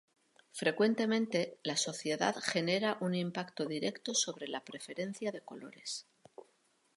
Frecuentemente, la sociedad genera un impacto directo sobre la preferencia de colores.